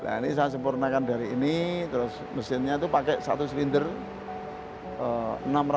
nah ini saya sempurnakan dari ini terus mesinnya itu pakai satu silinder enam ratus lima puluh cc